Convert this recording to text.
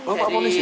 oh pak polisi